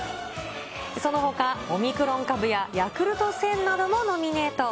そのほか、オミクロン株やヤクルト１０００などもノミネート。